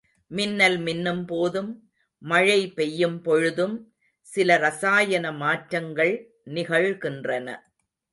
மின்னல் மின்னும் போதும், மழை பெய்யும் பொழுதும், சில ரசாயன மாற்றங்கள் நிகழ்கின்றன.